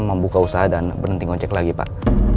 membuka usaha dan berhenti ngocek lagi pak